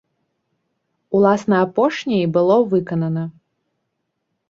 Уласна апошняе і было выканана.